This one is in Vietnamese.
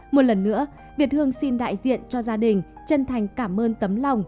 một lần nữa việt hương xin đại diện cho gia đình chân thành cảm ơn tấm lòng